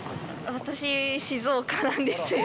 私、静岡なんですよ。